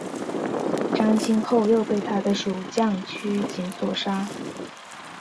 张津后又被他的属将区景所杀。